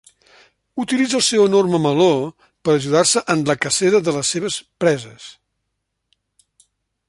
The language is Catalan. Utilitza el seu enorme meló per ajudar-se en la cacera de les seves preses.